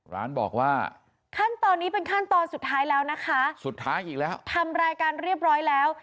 ร้านบอกว่าขั้นตอนนี้เป็นขั้นตอนสุดท้ายแล้วนะคะสุดท้ายอีกแล้วทำรายการเรียบร้อยแล้ว